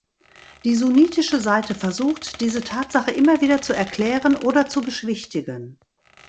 Die sunnitische Seite versucht diese Tatsache immer wieder zu erklären oder zu beschwichtigen.